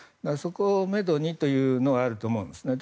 そこをめどにというのがあると思います。